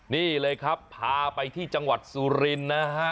นี่เลยครับพาไปที่จังหวัดสุรินทร์นะฮะ